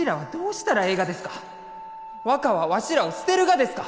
若はわしらを捨てるがですか？